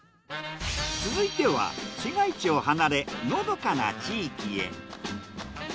続いては市街地を離れのどかな地域へ。